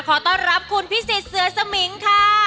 ขอต้อนรับคุณพิสิทธิเสือสมิงค่ะ